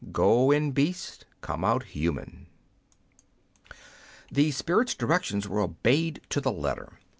Go in beast, come out human !" The spirit's directions were obeyed to the letter.